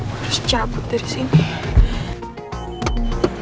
harus cabut dari sini